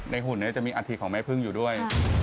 หุ่นจะมีอาทิตของแม่พึ่งอยู่ด้วย